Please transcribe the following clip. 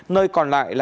nơi còn lại